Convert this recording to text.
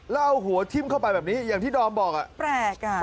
แล้วเอาหัวทิ้มเข้าไปแบบนี้อย่างที่ดอมบอกอ่ะแปลกอ่ะ